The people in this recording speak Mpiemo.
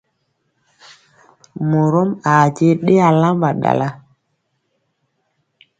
Morom a je ɗe alamba ɗala.